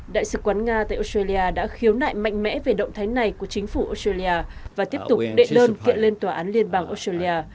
đại sứ quán nga tại australia đã khiếu nại mạnh mẽ về động thái này của chính phủ australia và tiếp tục đệ đơn kiện lên tòa án liên bang australia